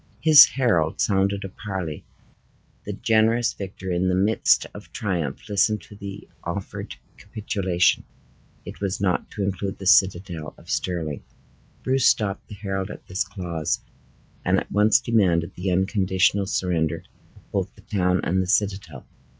His herald sounded a parley. The generous victor, in the midst of triumph, listened to the offered capitulation. It was not to include the citadel of Stirling. Bruce stopped the herald at this clause, and at once demanded the unconditional surrender of both the town and citadel.